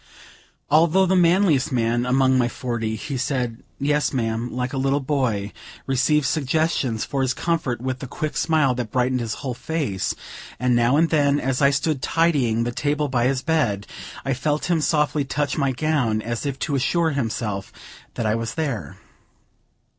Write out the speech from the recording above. Although the manliest man among my forty, he said, "Yes, ma'am," like a little boy; received suggestions for his comfort with the quick smile that brightened his whole face; and now and then, as I stood tidying the table by his bed, I felt him softly touch my gown, as if to assure himself that I was there.